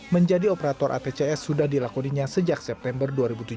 menjadi operator atcs sudah dilakoninya sejak september dua ribu tujuh belas